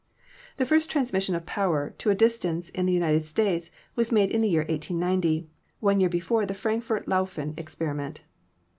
The first transmission of power to a distance in the United States was made in the year 1890, one year before the Frankfort Lauffen experiment.